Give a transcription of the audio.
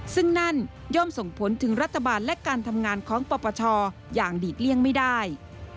ซึ่งนั่นย่อมส่งผลถึงรัฐบาลและการทำงานของปปชอย่างหลีกเลี่ยงไม่ได้